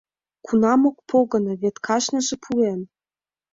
— Кунам ок погыно, вет кажныже пуэн.